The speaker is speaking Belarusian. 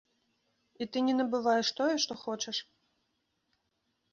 І ты не набываеш тое, што хочаш.